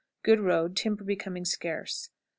Good road; timber becoming scarce. 13.